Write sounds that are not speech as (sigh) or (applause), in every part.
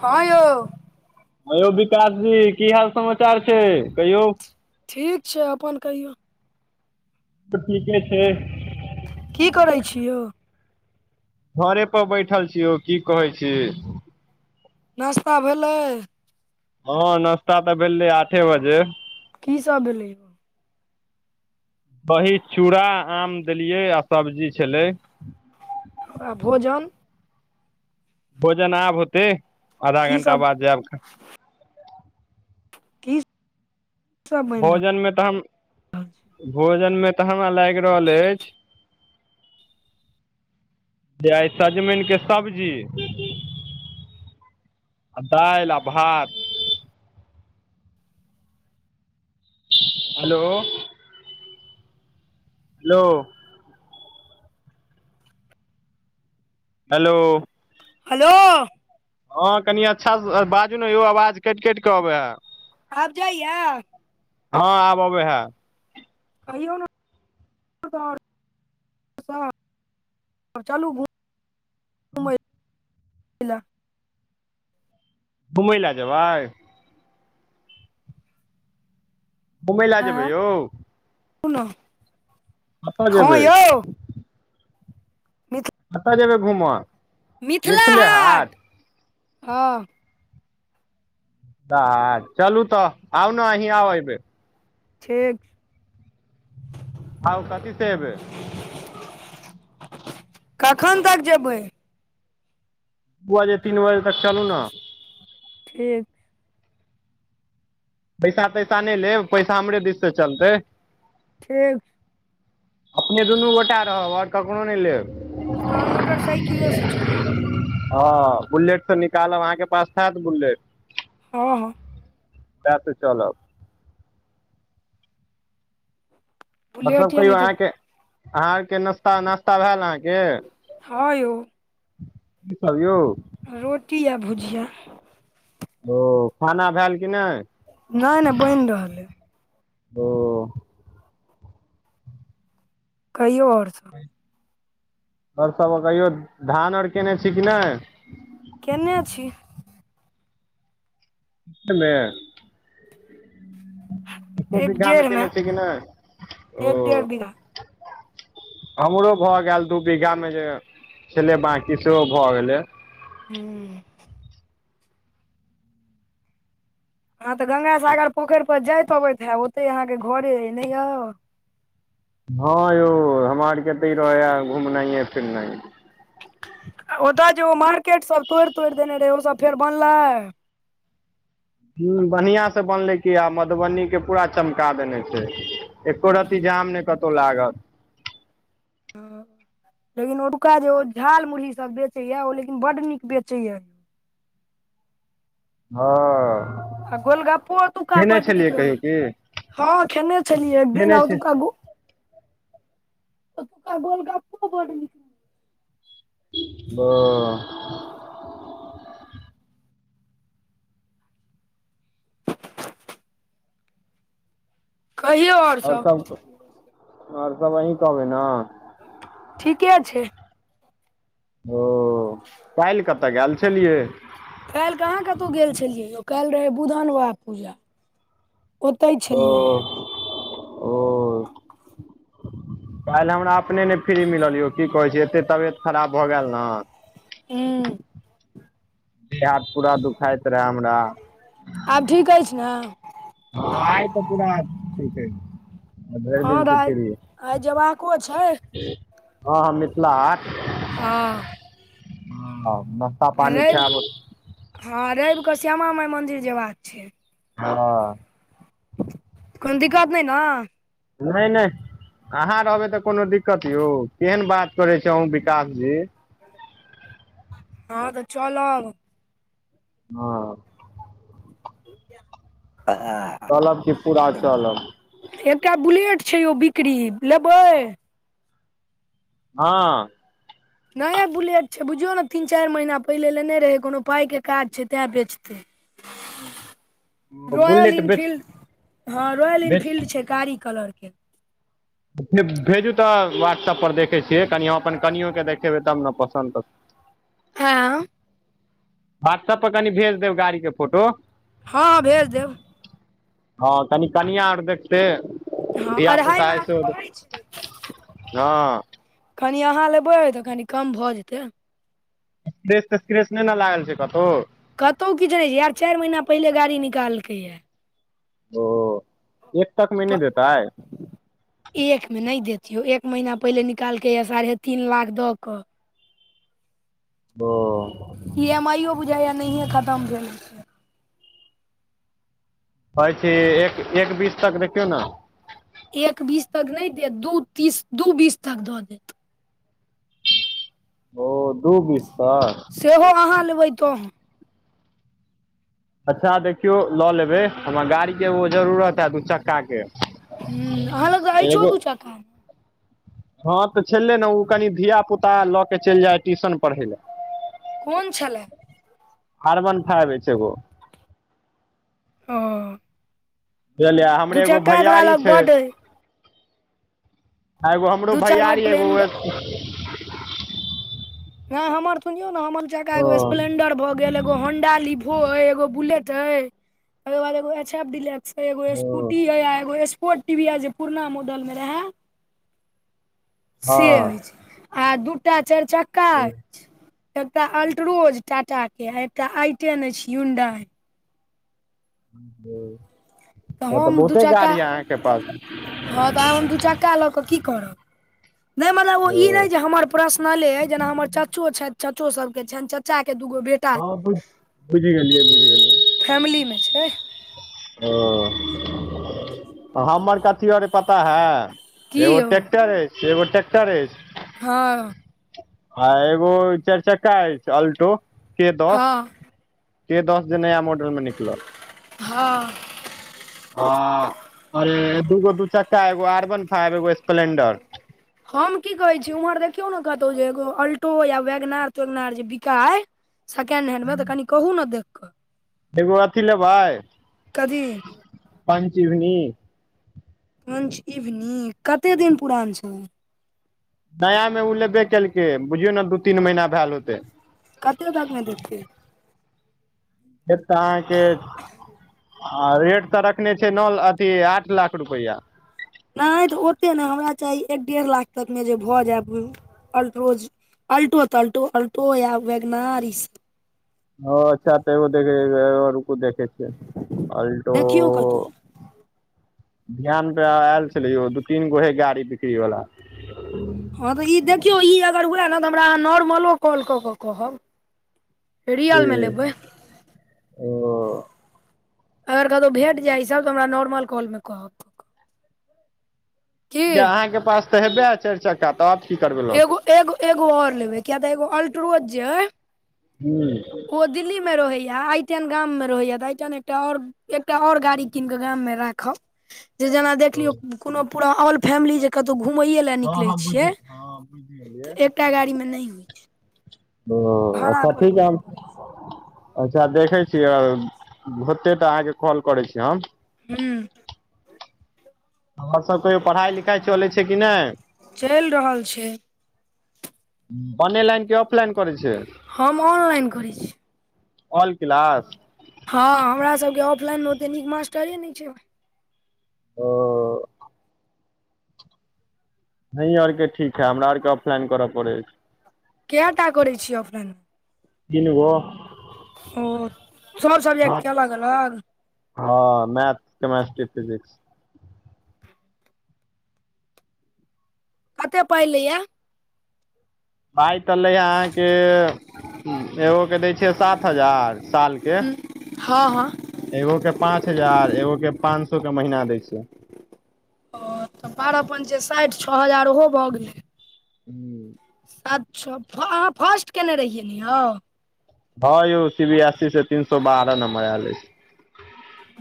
हँ यौ। ह यौ विकास जी! की हाल समाचार छै, कहियौ? ठीक छै, अपन कहियौ? त ठीके छै। की करै छि यौ। घरे पर बैठल छी यौ, की कहै छी? नश्ता भेलै? हँ नाश्ता तऽ भेलै, आठे बजे। की सब भेल यौ। दही- चूड़ा, आम देलियै, आ सब्जी छलै। आ भोजन! भोजन आब होते, आधा की घंटा सब बाद जायब की सब बनि भोजनमे तऽ हम, रहल छै भोजनमे तऽ हमरा लागि रहल अछि। जे सजमन के सब्जी। दइल, आभात। हेलो! हेलो! हेलो! हेलो! हँ कनि अच्छा से बाजू ने यो, आवाज कटि- कटि कऽ अबे है। आब जाइया? हँ आब अबे है। कहियो ने और सब। त चलू घु- मै लए। घुमय लए जेबै? घुमबै लए जेबै यौ? उ न, कतऽ हँ जेबै यौ। मि त कतऽ जेबै घूमऽ? मिथिला हाट हँ। ह चलू तऽ, आउ ने अहीं आउ एबेर। ठीक। आउ कथी से एबै? कखन तक जेबै? दू बजे, तीन बजे तक चलू ने। ठीक। पैसा -तैसा नहि लेब, पैसा हमरे दिससँ चलतै। ठीक छै। अपने दुनू गोटा रहब आओर ककरो नहि लेब, हा मोटर साइकिलेसँ चलऽ, हँ बुलेट त निकालब अहाँके पास तऽ बुलेट, हँ हँ त तऽ चलब, सब बुलेट या कहियौ नहि तऽ अहाँके अहाँ के नास्ता नास्ता भेल अहाँके? ह यौ, क कह यौ (unintelligible) रोटी ओ भुजिआ। ओ खाना भेल कि नहि? नहि नहि बनि रहलै, ओ कहियो आओर? आओर सब कहियो धान आर केने छी कि नहि? केने छी, मे (unintelligible) एको एक बीघा में डेढ़ मे केने छै कि नहि ओ? एक डेढ़ बीघा हमरो भए गेल दू बीघा मे जे छले बंकी सेहो भए गेलै, हू (unintelligible) हँ तऽ गंगा सागर पोखरि पर जाइत अबैत हब ओते अहाँके घरे नै आओ? हँ यौ हमरा आर केते रहैय घुमनाइ य फिरनाइ? ओतऽ जे ओ मार्केट सब तोड़ि तोड़ि देने रहे ओ सब फेर बनले? ह बढ़ियां से बनलै क आ मधुबनी के पूरा चमका देने छै। एको रति जाम ने कतहु लागत, हँ लेकिन ओका जे ओ झाल मुरही सब बेचैए ओ लेकिन बड नीक बेचैएा हँ आ गोलगप्पो ओका खेने बड छलियै नीक कहियो रहै छै। की हँ खेने छलिए एक दिन खेने आउ छी तू का, ओ तू क गोलगप्पू बोल (unintelligible) ब (unintelligible) कहियौ, आओर सब आओर सब अही कहबै ने, ठीके छै, ओ काल्हि कतऽ आयल छलियै (unintelligible) काल्हि कहाँ कतहु गेल छलियै यौ काल्हि रहै बुधन बाबा पूजा, ओतहि ओ छलियै यए ओ। काल्हि हमरा अपने नहि फ्री मिलल यौ की कहैत छै एते तबियत खराब भऽ गेल ने, हूँ देह हाथ पूरा दुखाइत रहै हमरा, आब ठीक अछि ने? ह आज तो पूरा ठिक छै। आ भरि हँ दिन छी दाइ फिर आइ जेबाको छै हँ हँ मिथिला आट (unintelligible) हँ ह नाश्ता आ पानि रवि च, हँ रविकऽ श्यामा माइ मन्दिर जयबाक छै, हँ। कोन दिक्कत नै नऽ? नैय-नैय आहाँ रहबै तऽ कोनो दिक्कत यौ केहन बात करेै छी अहूँ विकास जी। हँ तऽ चलब हँ अ आआ कहलौ की पूरा चलब। एकटा बुलेट छै यौ बिक्री लेबै? हँ। नये बुलेट छै बुझियौ ने तीन चैर महीना पहिले लेने रहे कोनो पाय के काज छै तें बेचते। तै। रॉयल बुलेट बेच इनफील्ड हँ रॉयल बेच इनफील्ड छै कारी कलर के- भेजू तऽ व्हाट्सऐपर देखै छियै कनि हम अपन कनियो के देखेबै तब न पसंन्द करतै। हँअ व्हाट्सअप पर कनि भेज देब गाड़ी के फोटो। हँ हँ भेज देब हँ कनि आउर देखतेै। हँ अढ़ाई लाख कहै छै। हँ कनि आहाँ लेबै तऽ कनि कम भऽ जेतै। स्करेस तऽ स्क्रेस नैय ने लागल छै कतौ? कतौ किछ नै छै यार चैर महीना पहिले गाड़ी निकालकै ये। ओ एक तक मे नैय देताइ? एक मे नैय देत यौ एक महिना पहिले निकालकै यऽ साढ़े तीन लाख दऽ कऽ। बअ ई एम आई हो बुझाइ या नैहे खत्म भेल- छै कहै छै एक -एक बीस तक देखियौ ने एक बीस तक नै देत दू तीस दू बीस तक दऽ देत। ओ दू बीस तक- सेहो आहाँ लेबै तऽहन। अच्छा देखियौ लऽ लेबै हमरा गाड़ी के ओ जरूरत है दू चक्का के- हूँ आहाँ लग तऽ अइछो तू चक्का? हँ तऽ छेलै ने ओ कनि धिय पुता लऽ के चैल जाय ट्यूशन पढ़य लए। कोन छेल्ला? अर्बन फाइब ऐछ एगो। ओ बुझलियै दू हमरे एगो चक्का तोरा भैयरी लग छै? बड अइ आ एगो हमरो दू चक्का बड भैयारी एगो अ स्प्लेंडर नै हमर सुनियो ने हमर चका ओ एगो स्प्लेंडर भऽ गेल एगो होंडा लिफो एगो बुलेट- छै ओकरबाद एगो एच एफ डिलक्स अइ एगो ओ स्कूटी अए एगो स्प- ओ टी वी आ जे पुरना मॉडल मे रहे से हँ एइछ। आ दूटा चैर चक्का अइ। तब एकटा अल्ट्रोज टाटा के एकटा आइटेन ऐछ यूंडाई। तहन तऽ हम दू बहुते चक्का गाड़ी या आहाँके पास- हँ तऽ आब हम दू चक्का लऽ के की करब नै मतलब ओ ई नै जे हमर- प्रसनले जना हमर चचो छैथ, चचो सबके छैन, चच्चा के दूगो बे हां बुझ, बुझ गेलियै, बुझ गेलियै। फैमली मे छै। ओ हमर कथी अर अय पता है। की एगो यौ टेक्टर एछ, एगो टेक्टर एछ। हाँ। आ एगो चैर चक्का एछ अल्टो के दस। हँ के दस जे नया मॉडल मे निकलल। हाँ। हां ए दूगो दू चक्का, एगो आर वन फाइव, एगो स्पलेंडर। हम की कहै छी उम्हर देखियौ ना कतौ जे एगो अल्टो या वेगनार-तेगनार जे बिकाय सकेंड हेंड मे तऽ कनि कहु ना देख कऽ। एगो अथी लेबै। कथी। पंच इभनी। पंच इभनि कते दिन पुरान छै। नया मे ऊ लेबे केलकै बुझियौ ना दू-तीन महीना भाएल होतै। कते तक मे देतै। देतऽ अहाँके आ रेट तऽ रखने छै नौ ल अथी आठ लाख रुपैया। नै तऽ ओते नै हमरा चाही एक डेढ़ लाख तक मे जे भऽ जाय (unintelligible) अल्ट्रोज अल्टो-तल्टो, अल्टो या वैगनार ई स ओ अच्छा त एगो देखे (unintelligible) एगो रुकु देखे छिये अल्टो। देखियौ कतहु ध्यान पे आएल छलै यौ, दू-तीनगो हय गाड़ी बिक्री बला। हां तऽ ई देखियौ ई अगर हुआए ना तऽ हमरा अहाँ नॉर्मलो कॉल कऽ कऽ कहब। रियल मे लेबै। ओ अगर कतो भेट जाय ई सब तऽ हमरा नॉर्मल कॉल मे कहब। की किया अहाँ के पास त हेबेै हय चाएर चक्का त आब की करबै। लऽ के एगो-एगो-एगो और लेबै किया तऽ एगो अल्ट्रोज जेै अय हुं। ओ दिल्ली मे रहैया, आयटेन गाम मे रहैया त आयटेन एकटा और एकटा और गाड़ी कीन के गाम मे राखब जे जेना देखलियौ कुनू पूरा ऑल फैमिली जे कतौ घुमैये लए निकलै छियै। हां बुइझ गेलिये। तऽ एकटा गाड़ी मे नै होय छै। बो भाड़ा अच्छा पर ठीक या करय हम पड़ै छै अच्छा देखै छियै अगर होतै तऽ अहाँ के कॉल करै छी हम। हुं। और सब कहियो पढ़ाय-लिखाय चलै छै कि नै। चैल रहल छै। उम्म ऑनेलाइन कि ऑफलाइन करै छी। हम ऑनलाइन करै छी। All class. हां हमरा सबके ऑफलाइन मे ओते नीक मास्टरे नै छै। ओ। एहि और के ठीक है, हमरा आर के ऑफलाइन करऽ पड़ै अछि। कैयटा करै छियै ऑफलाइन। तीन गो। ओ, सब सब्जेक्ट के अलग-अलग। हँ मैथ, केमेस्ट्री, फिजिक्स। कते पाय लय यऽ। पाइ तऽ लय हे अहाँके। हू, एगो के दै छियै सात हजार, साल के। हँ हँ। एगो के पाँच हजार, एगो के पांच सौ के महीना दै छियै। ओ तऽ बारह पन्चे साठि, छह हजार ओहो भऽ गेलै। (inaudible) अच्छा, अहाँ फर्स्ट केयने रहियै ने यौ। हँ यौ सी बी एस सी से तीन सौ बारह नम्बर आयल अइछ।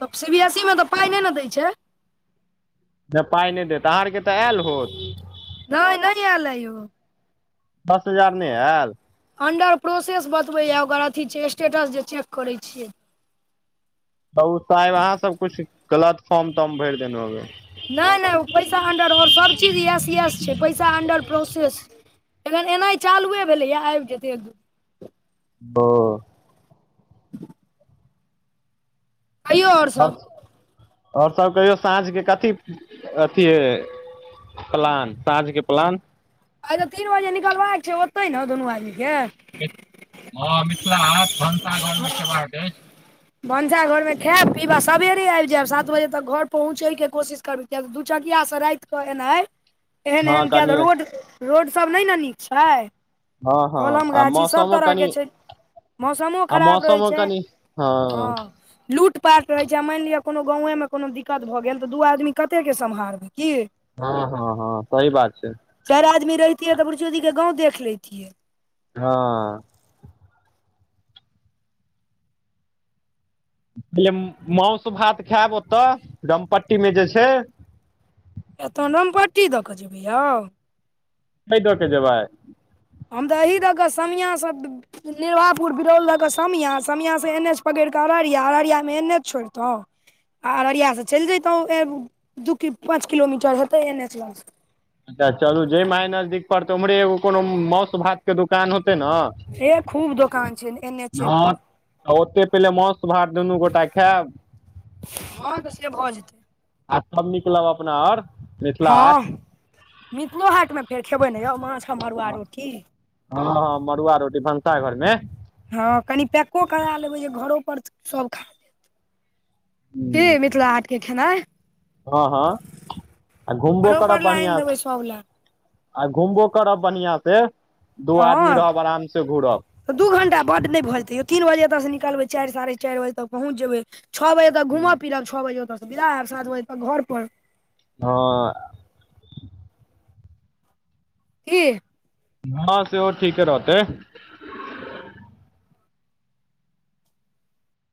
तऽ सी बी एस सी में तऽ पाइ नय ने दै छै। नय पाइ नय देत, अहाँ आर के तऽ आयल होत। नइ नै आयल ये यौ। दस हजार नइ ऐल। अंडर-प्रोसेस बतबैये, ओकर अथी छै स्टेटस जे चेक करै छियै। तऽ ओ तऽ अहाँ सब कुछ गलत फॉर्म-तर्म भरि देेने हौबे। नइ-नइ ऊ पैसा अंडर ओर सब चीज यस-यस छै, पैसा अंडर प्रोसेस। एखन एनाइ चालुए भलैए। आबि जेतै एक- दू। ओ। (inaudible) कहियौ आओर ओर, सभ ओर सब कहियौ साँझके कथी, अथी हैय। प्लान, साँझ के प्लान। आइ तऽ तीन बजे निकलबाक छै ओतै ने, दुनू आदमीके। हँ, मिथिला हाट भनसाघर में खेबाक अइछ। भनसाघर में खायएब-पीब सबेरे आबि जायब, सात बजे तक घर पहुँचे के कोशिश करु, कियाकी दुचकिया से राइत। तऽ कऽ एनाय। (inaudible) एहन-एहन कए तऽ कनि रोड, रोड सब नै न नीक छै। हँ हँ आ कलम-गाछी सभ मौसमो तरहके कनि छै, मौसमों आ खराब रहै मौसमो छै। कनि हँ, लूट। पाट रहैत छै, आ मानि लिअ कोनो गाँवे में कोनो दिक्कत भऽ गेल तऽ दू आदमी कते के सम्हारबै की। हँ हँ हँ सही बात छै। चारि आदमी रहितियै तऽ के गाँव देख लेतिये। हँ। य माउस-भात खायब ओतऽ रामपट्टी में जे छै। एतऽ नम पट्टी दऽ कऽ जेबै यौ। कै दऽ के जेबै। हम तऽ एही दऽ कऽ समियासँ। निभापुर बरौल दऽ कऽ समिया, समियासँ एन एच पकड़ कऽ अररिया, अररिया में एन एच छोड़ितहु। आ अररिया सँ चलि जैतहुँ, दू की पाँच किलोमीटर हेतै एन एच लग स। च चलू जै माहे नजदीक पड़तै ओम्हरे एगो कोनो माउस- भात के दुकान होतै हे खूब न। दोकान छै एन एचे पर हां ओते पहिले मौस भात दुनू गोटा खैब। हां तऽ से भऽ जेतै आ तब निकलब अपना आर हां मिथिलो हाटमे फेर खेबै नै यौ माछ आ मरूआ रोटी। हां-हां मरुवा रोटी भनसा घरमे। हां कनि पैको करा लेबै जे घरो पर सब खाए की मिथिला हाटके खेनाई। हां-हां आ घुमबो घरो करब पर लए आनि बढ़िया देबै से। सभ लए आय घुमबो करब बड़हिया से दू आदमी हँ रहब आराम से घुरब। तऽ दू घंटा बड नै भ जेैते यौ तीन बजे एतय से निकलबै चाएर साढ़े चाएर बजे तक पहुँच जेबै। छ बजे तक घूमब-फिरब, छ बजे ओता से बिदा हेब, सात बजे तक घर पर। हां। की। हां सेहो ठीके रहतेै।